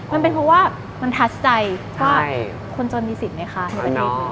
มันเป็นเพราะว่ามันทัดใจว่าคนจนมีสิทธิ์ไหมคะในวันนี้